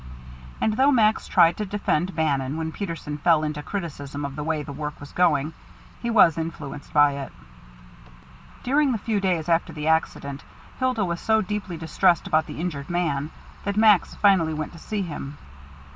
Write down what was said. And though Max tried to defend Bannon when Peterson fell into criticism of the way the work was going, he was influenced by it. During the few days after the accident Hilda was so deeply distressed about the injured man that Max finally went to see him.